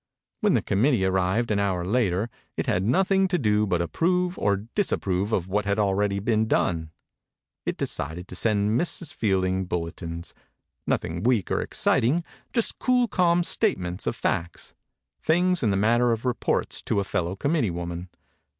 When the committee arrived an hour later it had nothing to do but approve or disapprove of what had already been done. It decided to send Mrs. Fielding bulletins. Nothing weak or ex citing; just cool, calm statements of facts. Things in the manner of reports to a fellow committee woman.